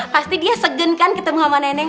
pasti dia segen kan ketemu sama neneng